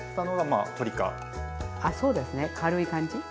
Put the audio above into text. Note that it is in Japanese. あそうですね。軽い感じ？